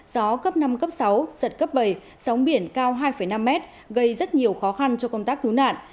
gió cấp năm cấp sáu giật cấp bảy sóng biển cao hai năm mét gây rất nhiều khó khăn cho công tác cứu nạn